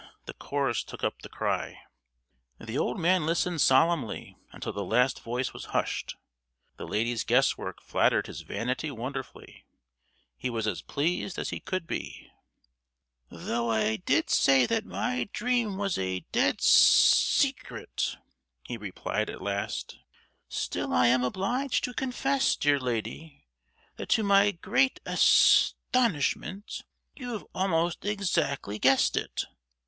the chorus took up the cry. The old man listened solemnly until the last voice was hushed. The ladies' guesswork flattered his vanity wonderfully; he was as pleased as he could be. "Though I did say that my dream was a dead se—cret," he replied at last, "still I am obliged to confess, dear lady, that to my great as—tonishment you have almost exactly guessed it."